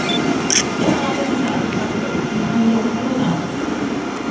Er arbeitete anfangs als Buchhändler und Fotograf.